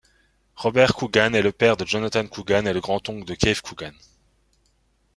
Robert Coogan est le père de Jonathan Coogan et le grand-oncle de Keith Coogan.